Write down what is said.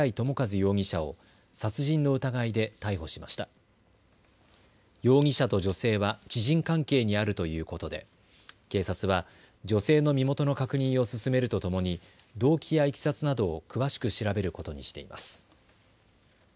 容疑者と女性は知人関係にあるということで、警察は女性の身元の確認を進めるとともに動機やいきさつなどを詳しく調べることにしています。